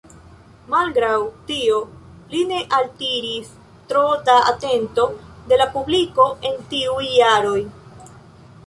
Malgraŭ tio, li ne altiris tro da atento de la publiko en tiuj jaroj.